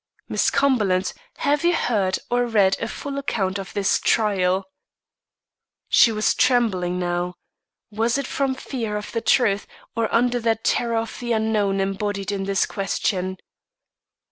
"Miss Cumberland, have you heard or read a full account of this trial?" She was trembling, now. Was it from fear of the truth, or under that terror of the unknown embodied in this question.